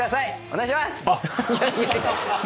お願いします！